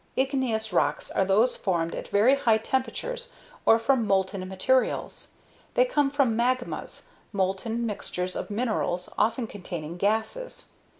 IGNEOUS rocks are those formed at very high temperatures or from molten materials. They come from magmas molten mixtures of minerals, often containing gases.